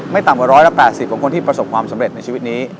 ต่ำกว่า๑๘๐ของคนที่ประสบความสำเร็จในชีวิตนี้